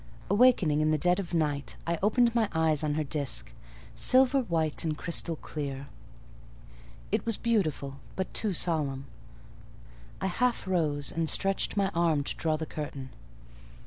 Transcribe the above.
Awaking in the dead of night, I opened my eyes on her disk—silver white and crystal clear. It was beautiful, but too solemn: I half rose, and stretched my arm to draw the curtain.